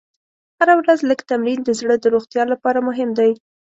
هره ورځ لږ تمرین د زړه د روغتیا لپاره مهم دی.